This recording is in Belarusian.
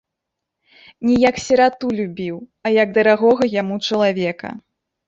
Не як сірату любіў, а як дарагога яму чалавека.